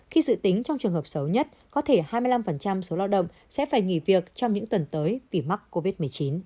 khi dự tính trong trường hợp xấu nhất có thể hai mươi năm số lao động sẽ phải nghỉ việc trong những tuần tới vì mắc covid một mươi chín